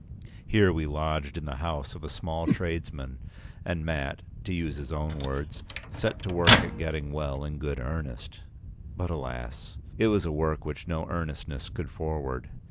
Here we lodged in the house of a small tradesman; and Mat, to use his own words, "set to work p. 205at getting well in good earnest." But, alas! it was a work which no earnestness could forward.